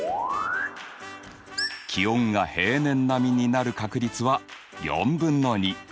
気温が平年並みになる確率は４分の２。